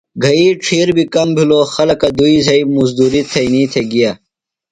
گھئِیمی ڇِھیر بیۡ کام بِھلوۡ۔ خلکہ دُئی زھئی مُزدُریۡ تھئینی تھےۡ گِیا۔